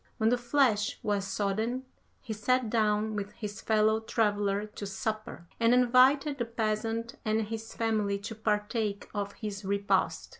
When the flesh was sodden, he sat down with his fellow traveller to supper, and invited the peasant and his family to partake of his repast.